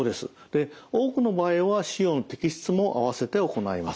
で多くの場合は腫瘍の摘出もあわせて行います。